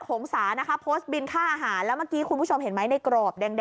ขงสานะคะโพสต์บินค่าอาหาร